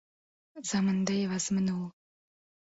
Zaminday vazminu